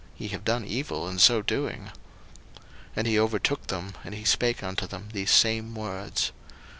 ye have done evil in so doing. 01:044:006 And he overtook them, and he spake unto them these same words.